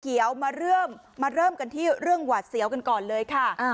เดี๋ยวมาเริ่มมาเริ่มกันที่เรื่องหวาดเสียวกันก่อนเลยค่ะ